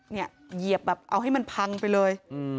เหยียบแบบเอาให้มันพังไปเลย